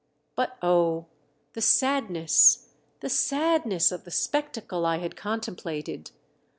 But oh ! the sadne.^s, the sadness of the spectacle I had contemplated